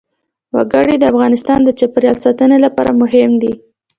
وګړي د افغانستان د چاپیریال ساتنې لپاره مهم دي.